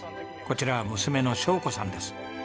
こちらは娘の晶子さんです。